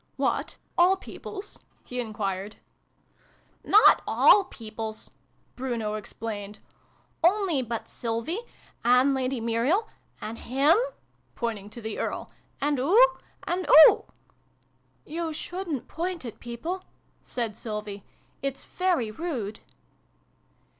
" What ? All Peoples ?" he enquired. " Not all Peoples," Bruno explained. " Only but Sylvie and Lady Muriel and him (pointing to the Earl) " and oo and oo !"" You shouldn't point at people,' said Sylvie. <l It's very rude."